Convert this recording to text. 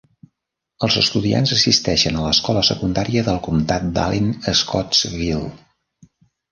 Els estudiants assisteixen a l'escola secundària del comtat d'Allen Scottsville.